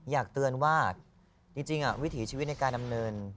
อยากเตือนว่าจริงวิถีชีวิตในการดำเนิน